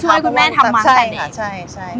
ช่วยคุณแม่ทำมากันเอง